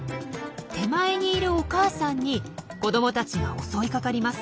手前にいるお母さんに子どもたちが襲いかかります。